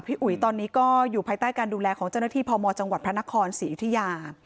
อุ๋ยตอนนี้ก็อยู่ภายใต้การดูแลของเจ้าหน้าที่พมจังหวัดพระนครศรีอยุธิยา